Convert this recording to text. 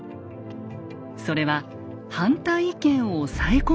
それは反対意見を押さえ込むこと。